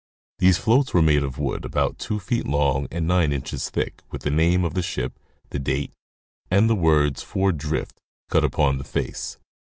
These floats were made of wood about two feet long and nine inches thick, with the name of the ship, the date, and the words, for drift, cut upon the face.